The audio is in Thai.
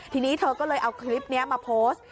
ทีนี้เธอก็เลยเอาคลิปนี้มาโพสต์